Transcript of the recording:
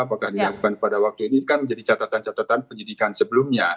apakah dilakukan pada waktu ini kan menjadi catatan catatan penyidikan sebelumnya